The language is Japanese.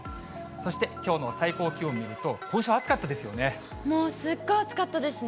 そして、きょうの最高気温見ると、今週暑かったですよね。